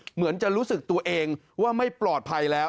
เหมือนจะรู้สึกตัวเองว่าไม่ปลอดภัยแล้ว